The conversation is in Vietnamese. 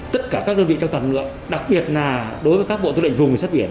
tất cả các đơn vị trong toàn lượng đặc biệt là đối với các bộ tư lệnh vùng cảnh sát biển